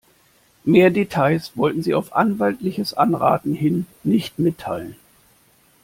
Mehr Details wollten sie auf anwaltliches Anraten hin nicht mitteilen.